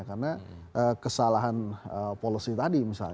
karena kesalahan policy tadi misalnya